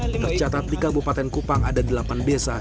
tercatat di kabupaten kupang ada delapan desa